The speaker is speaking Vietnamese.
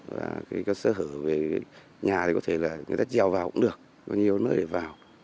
và cái sơ hở về nhà thì có thể là người ta treo vào cũng được có nhiều nơi để vào